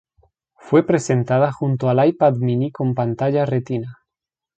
Fue presentada junto el iPad Mini con pantalla Retina.